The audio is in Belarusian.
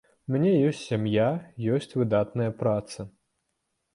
У мяне ёсць сям'я, ёсць выдатная праца.